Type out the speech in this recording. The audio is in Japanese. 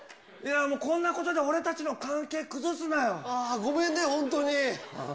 こんなことで俺たちの関係崩ごめんね、本当に。